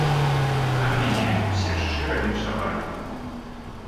Там мяне ўсе шчыра віншавалі.